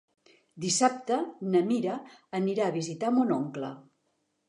Dissabte na Mira anirà a visitar mon oncle.